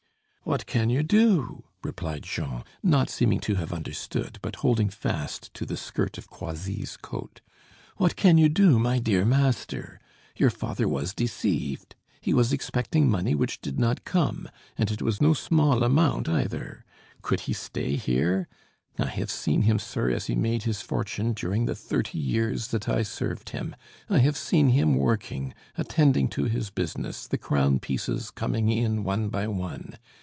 "What can you do?" replied Jean, not seeming to have understood, but holding fast to the skirt of Croisilles' coat; "What can you do, my dear master? Your father was deceived; he was expecting money which did not come, and it was no small amount either. Could he stay here? I have seen him, sir, as he made his fortune, during the thirty years that I served him. I have seen him working, attending to his business, the crown pieces coming in one by one.